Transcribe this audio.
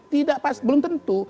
tidak pasti belum tentu